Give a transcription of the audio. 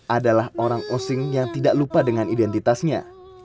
adalah orang osing yang tidak lupa dengan identitasnya